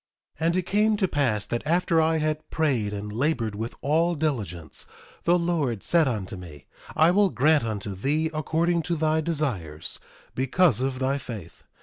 1:12 And it came to pass that after I had prayed and labored with all diligence, the Lord said unto me: I will grant unto thee according to thy desires, because of thy faith.